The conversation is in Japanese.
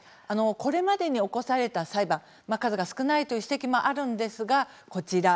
これまでに起こされた裁判数が少ないという指摘もあるんですが、こちら。